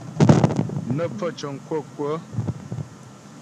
Nə́ pfaə̂ cəŋ kwə́kwə́.